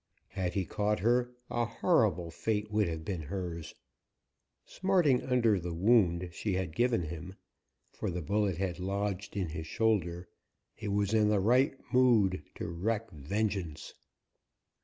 Had he caught her, a horrible fate would have been hers. Smarting under the wound she had given him for the bullet had lodged in his shoulder he was in the right mood to wreak vengeance.